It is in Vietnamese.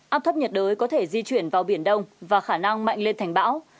áp thấp nhiệt đới có thể di chuyển vào biển đông và khả năng mạnh lên thành bão